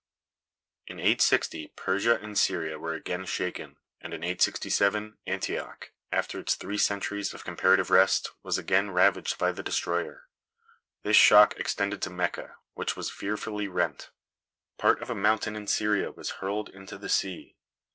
In 860 Persia and Syria were again shaken; and in 867, Antioch, after its three centuries of comparative rest, was again ravaged by the destroyer. This shock extended to Mecca, which was fearfully rent. Part of a mountain in Syria was hurled into the sea.